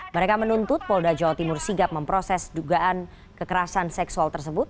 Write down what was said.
mereka menuntut polda jawa timur sigap memproses dugaan kekerasan seksual tersebut